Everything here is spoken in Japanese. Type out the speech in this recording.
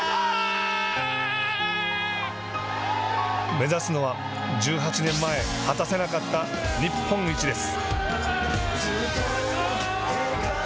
目指すのは１８年前果たせなかった日本一です。